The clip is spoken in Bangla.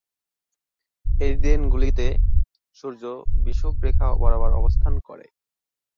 এই দিন গুলিতে সূর্য বিষুব রেখা বরাবর অবস্থান করে।